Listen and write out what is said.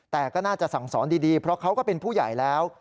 แต่ก็น่าจะสั่งสอนดีเพราะเขาก็เป็นผู้ใหญ่แล้ว